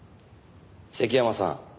関山さん